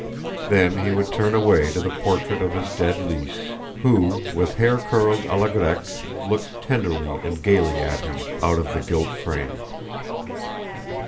Then he would turn away to the portrait of his dead Lise, who with hair curled à la grecque looked tenderly and gaily at him out of the gilt frame.